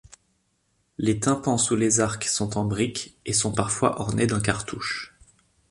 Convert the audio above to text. Les tympans sous les arcs sont en brique et sont parfois ornés d'un cartouche.